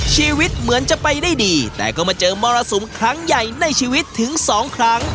ชีวิตเหมือนจะไปได้ดีแต่ก็มาเจอมรสุมครั้งใหญ่ในชีวิตถึงสองครั้ง